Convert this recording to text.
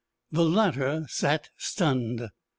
The latter sat stunned.